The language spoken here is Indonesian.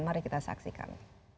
mari kita saksikan